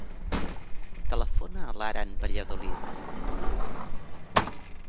Telefona a l'Aran Valladolid.